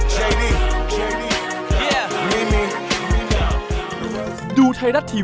เชดี้